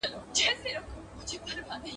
دا خپله برخه په لوی زړه تر لاسه کوله